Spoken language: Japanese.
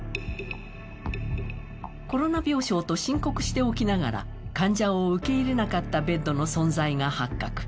コロナ病床と申告しておきながら患者を受け入れなかったベッドの存在が発覚。